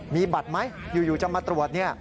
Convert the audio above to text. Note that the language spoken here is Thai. มีบัตรไหมอยู่จะมาตรวจเนี่ย